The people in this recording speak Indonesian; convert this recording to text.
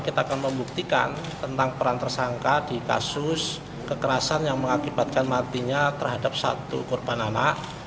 kita akan membuktikan tentang peran tersangka di kasus kekerasan yang mengakibatkan matinya terhadap satu korban anak